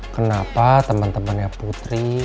kenapa temen temennya putri